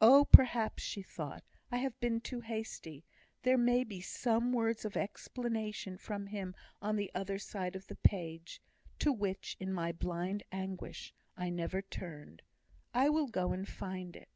"Oh, perhaps," she thought, "I have been too hasty. There may be some words of explanation from him on the other side of the page, to which, in my blind anguish, I never turned. I will go and find it."